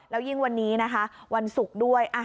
แล้วยิ่งวันนี้นะคะวันศุกร์ด้วย